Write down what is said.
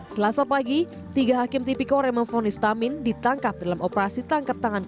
selasa pagi tiga hakim tipikor yang memfonis tamin ditangkap dalam operasi tangkap tangan kpk